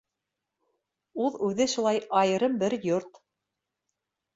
Ул үҙе шулай айырым бер йорт.